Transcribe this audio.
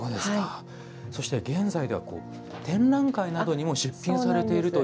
そして、現在では展覧会などに出展されていると。